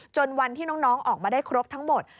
วันที่น้องออกมาได้ครบทั้งหมด